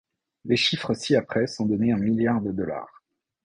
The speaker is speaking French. Les chiffres ci-après sont donnés en milliards de dollars.